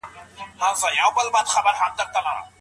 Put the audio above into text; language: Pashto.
شړومبې څښل څه ګټه لري؟